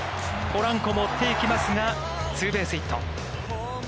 ポランコも追っていきますが、ツーベースヒット。